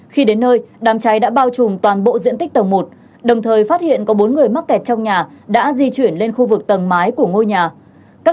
khi đến nơi đám cháy đã bao trùm toàn bộ diện tích tầng một đồng thời phát hiện có bốn người mắc kẹt trong nhà đã di chuyển lên khu vực tầng mái của ngôi nhà